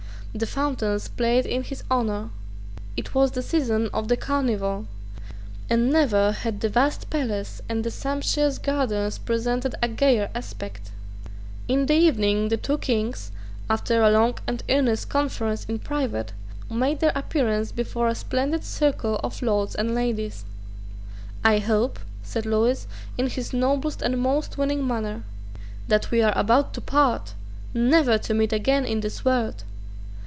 The fountains played in his honour. It was the season of the Carnival; and never had the vast palace and the sumptuous gardens presented a gayer aspect. In the evening the two kings, after a long and earnest conference in private, made their appearance before a splendid circle of lords and ladies. "I hope," said Lewis, in his noblest and most winning manner, "that we are about to part, never to meet again in this world.